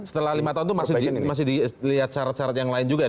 setelah lima tahun itu masih dilihat syarat syarat yang lain juga